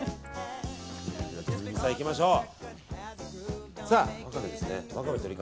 さあ、いきましょう。